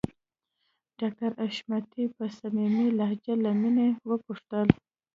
ډاکټر حشمتي په صميمي لهجه له مينې وپوښتل